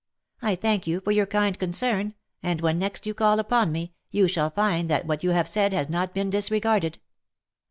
I thank you for your kind con cern, and when next you call upon me, you shall find that what you have said has not been disregarded."